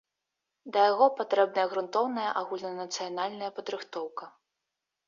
Да яго патрэбная грунтоўная агульнанацыянальная падрыхтоўка.